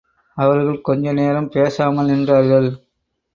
அவர்கள் கொஞ்ச நேரம் பேசாமல் நின்றார்கள்.